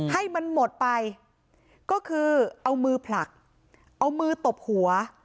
ให้มันหมดไปก็คือเอามือผลักเอามือตบหัว